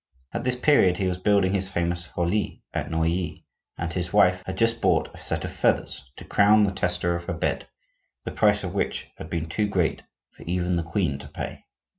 At this period he was building his famous "Folie" at Neuilly, and his wife had just bought a set of feathers to crown the tester of her bed, the price of which had been too great for even the queen to pay.